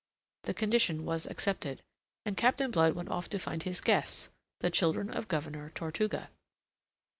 The condition was accepted, and Captain Blood went off to find his guests, the children of the Governor of Tortuga.